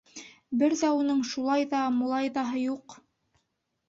- Бер ҙә уның шулай ҙа-мулай ҙаһы юҡ.